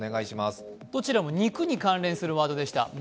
どちらも肉に関連するワードでした。